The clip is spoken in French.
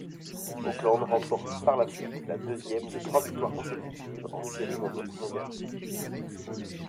Oakland remporte par la suite la deuxième de trois victoires consécutives en Série mondiale.